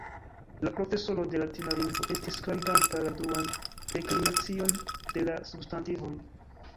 La profesoro de latina lingvo estis klariganta la duan deklinacion de la substantivoj.